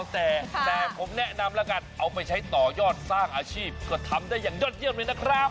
แต่ผมแนะนำแล้วกันเอาไปใช้ต่อยอดสร้างอาชีพก็ทำได้อย่างยอดเยี่ยมเลยนะครับ